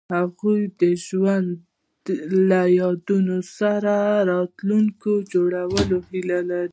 هغوی د ژوند له یادونو سره راتلونکی جوړولو هیله لرله.